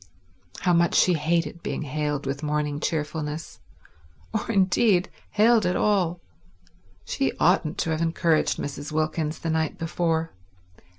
How much she hated being hailed with morning cheerfulness—or indeed, hailed at all. She oughtn't to have encouraged Mrs. Wilkins the night before.